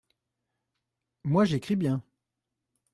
Moi, j’écris bien.